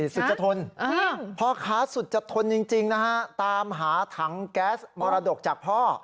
สุจทนพ่อค้าสุดจะทนจริงนะฮะตามหาถังแก๊สมรดกจากพ่อ